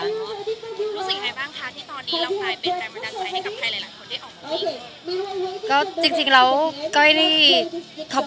รู้สึกยังไงบ้างคะที่ตอนนี้เรากลายเป็นแรงบันดาลใจให้กับใครหลายคนได้ออกมาวิ่ง